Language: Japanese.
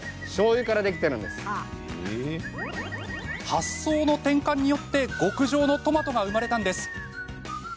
発想の転換によって極上のトマトが生まれたのです。